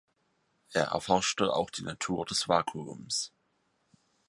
Er erforschte auch die Natur des Vakuums.